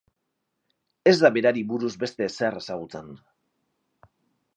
Ez da berari buruz beste ezer ezagutzen.